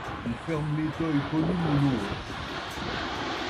Il ferme l'étang éponyme au nord.